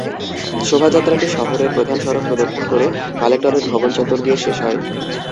শোভাযাত্রাটি শহরের প্রধান সড়ক প্রদক্ষিণ করে কালেক্টরেট ভবন চত্বরে গিয়ে শেষ হয়।